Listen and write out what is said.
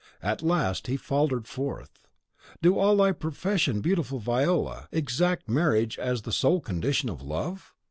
At last, he faltered forth, "Do all of thy profession, beautiful Viola, exact marriage as the sole condition of love?"